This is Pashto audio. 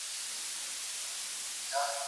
کندارۍ ملالې خدای باندې دې سپارم